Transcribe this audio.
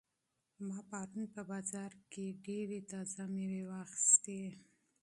ما پرون په بازار کې ډېرې تازه مېوې واخیستې.